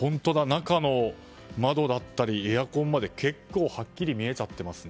中の窓だったりエアコンまで結構はっきり見えちゃってますね。